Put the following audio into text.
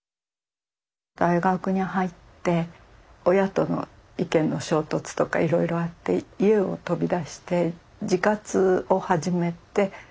大学に入って親との意見の衝突とかいろいろあって家を飛び出して自活を始めて。